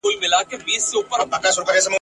ښار به نه وي یو وطن به وي د مړو ..